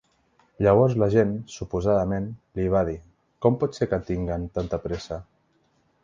Llavors l’agent, suposadament, li va dir: Com pot ser que tinguen tanta pressa?